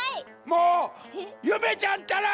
もうゆめちゃんったら！